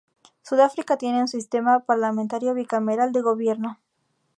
Sudáfrica tiene un sistema parlamentario bicameral de gobierno.